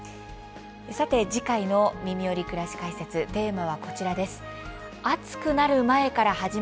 さて次回の「みみより！くらし解説」テーマは、こちらです。